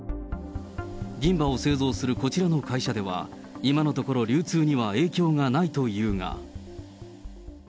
銀歯を製造するこちらの会社では、今のところ、流通には影響がないというが。